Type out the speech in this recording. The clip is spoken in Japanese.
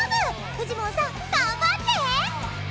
フジモンさん頑張って！